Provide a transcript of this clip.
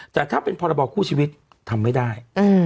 แต่ถ้าเป็นพรบคู่ชีวิตทำไม่ได้